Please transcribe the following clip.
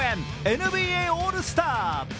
ＮＢＡオールスター。